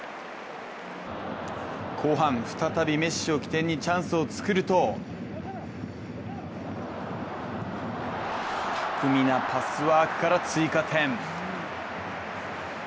後半、再びメッシを起点にチャンスを作ると巧みなパスワークから追加点！